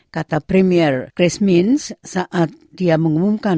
kata premier chris mins saat dia mengumumkan